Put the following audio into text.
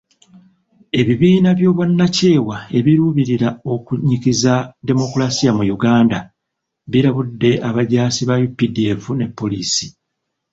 Ebibiina by'obwannakyewa ebiruubirira okunnyikiza demokulaasiya mu Uganda, birabudde abajaasi ba UPDF ne Poliisi.